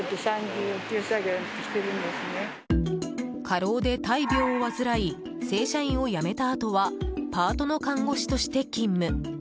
過労で大病を患い正社員を辞めたあとはパートの看護師として勤務。